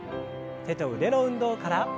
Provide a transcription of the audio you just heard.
手と腕の運動から。